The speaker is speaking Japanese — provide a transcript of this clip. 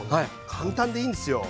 簡単でいいんすよ。